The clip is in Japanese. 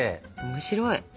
面白い！